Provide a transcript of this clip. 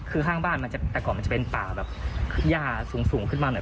คือข้างบ้านมันจะแต่ก่อนมันจะเป็นป่าแบบย่าสูงขึ้นมาหน่อย